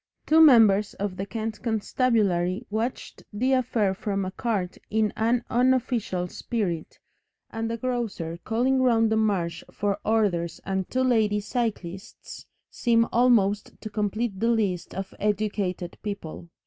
Two members of the Kent constabulary watched the affair from a cart in an unofficial spirit, and a grocer calling round the Marsh for orders and two lady cyclists seem almost to complete the list of educated people.